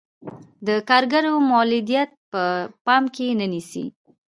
د کارګرو مولدیت په پام کې نه نیسي.